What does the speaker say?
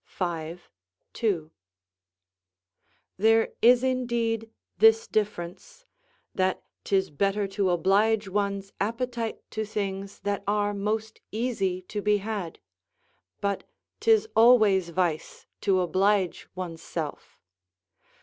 5, 2.] There is indeed this difference, that 'tis better to oblige one's appetite to things that are most easy to be had; but 'tis always vice to oblige one's self.